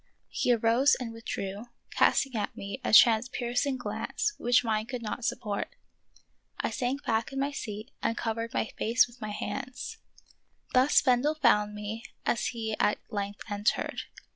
He arose and withdrew, casting at me a transpiercing glance which mine could not support. I sank back in my seat and covered my face with my hands. Thus Bendel found me as he at length entered.